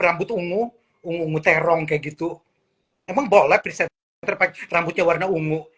rambut ungu ungu ungu terong kayak gitu emang boleh periset rambutnya warna ungu